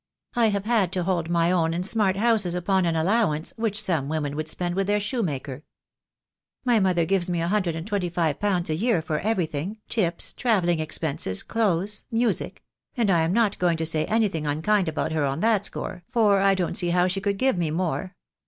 I have had to hold my own in smart houses upon an allow ance which some women would spend with their shoe maker. My mother gives me a hundred and twenty five pounds a year for everything, tips, travelling expenses, THE DAY WILL COME. 3 15 clothes, music — and I am not going to say anything un kind about her on that score, for I don't see how she could give me more.